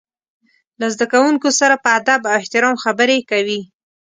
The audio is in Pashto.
له زده کوونکو سره په ادب او احترام خبرې کوي.